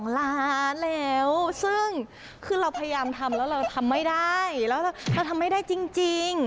๒ล้านแล้วซึ่งคือเราพยายามทำแล้วเราทำไม่ได้แล้วเราทำไม่ได้จริง